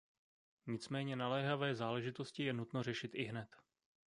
Nicméně naléhavé záležitosti je nutno řešit ihned.